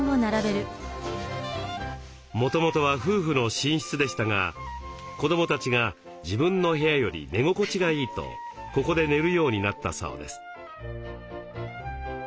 もともとは夫婦の寝室でしたが子どもたちが自分の部屋より寝心地がいいとここで寝るようになったそうです。